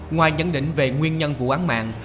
ngoài nhận định về nguyên nhân vụ án mạng